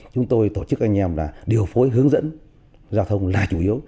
chúng tôi tổ chức anh em là điều phối hướng dẫn giao thông là chủ yếu